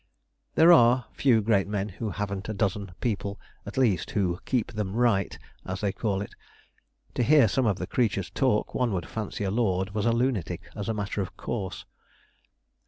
There are few great men who haven't a dozen people, at least, who 'keep them right,' as they call it. To hear some of the creatures talk, one would fancy a lord was a lunatic as a matter of course.